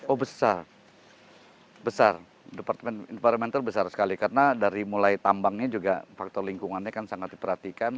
oh besar besar departemen environmental besar sekali karena dari mulai tambangnya juga faktor lingkungannya kan sangat diperhatikan